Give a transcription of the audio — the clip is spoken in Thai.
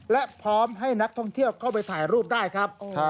และพร้อมให้นักท่องเที่ยวเข้าไปถ่ายรูปได้ครับ